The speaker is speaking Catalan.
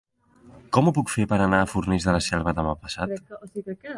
Com ho puc fer per anar a Fornells de la Selva demà passat?